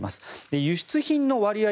で、輸出品の割合